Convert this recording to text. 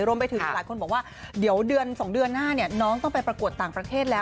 รวมไปถึงหลายคนบอกว่าเดี๋ยวเดือน๒เดือนหน้าเนี่ยน้องต้องไปประกวดต่างประเทศแล้ว